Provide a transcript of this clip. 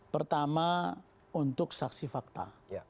pertama untuk saksi fakta